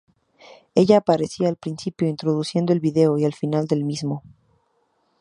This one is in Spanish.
Ella aparecía al principio, introduciendo el video, y al final del mismo.